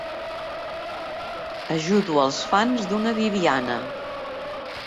Ajudo els fans d'una Bibiana.